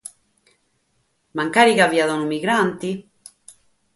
Forsis ca fiat unu migrante?